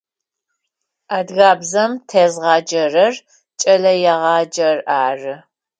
Адыгабзэм тезгъаджэрэр кӏэлэегъаджэр ары.